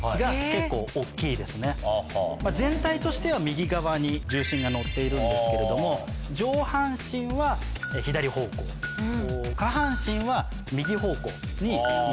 全体としては右側に重心が乗っているんですけれども上半身は左方向下半身は右方向に。